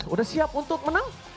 udah siap untuk menang